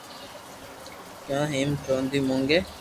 ڪنو ھيم چوندي مونگي